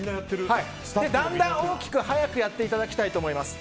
だんだん大きく速くやっていただきたいと思います。